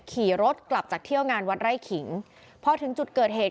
ขี่รถกลับจากเที่ยวงานวัดไร่ขิงพอถึงจุดเกิดเหตุ